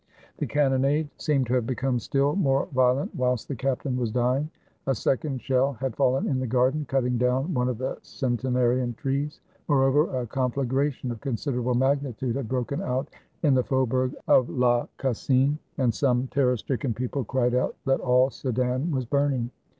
The cannonade seemed to have become still more violent whilst the captain was dying; a second shell had fallen in the garden, cutting down one of the cente narian trees. Moreover, a conflagration of considerable magnitude had broken out in the Faubourg of La Cas sine, and some terror stricken people cried out that all Sedan was burning.